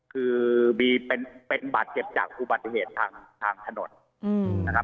คือมีเป็นบาดเจ็บจากอุบัติเหตุทางถนนนะครับ